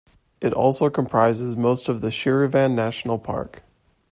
It also comprises most of the Shirvan National Park.